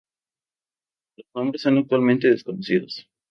Los nombres son actualmente desconocidas.